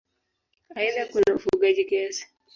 Aidha kuna ufugaji kiasi.